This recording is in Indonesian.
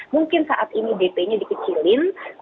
mungkin saat ini dp nya dikecilin